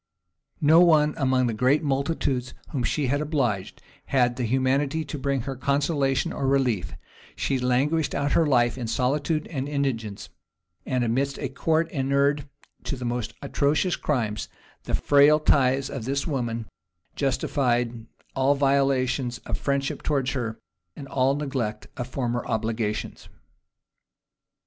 No one, among the great multitudes whom she had obliged, had the humanity to bring her consolation or relief; she languished out her life in solitude and indigence; and amidst a court inured to the most atrocious crimes, the frail ties of this woman justified all violations of friendship towards her, and all neglect of former obligations.